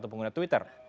atau pengguna twitter